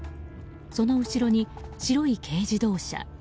その後ろに白い軽自動車。